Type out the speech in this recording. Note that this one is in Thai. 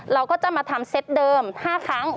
เราก็จะมาทำเซตเดิม๕ครั้ง